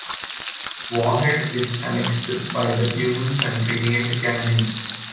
Warhead is annexed by the humans and renamed Canyon.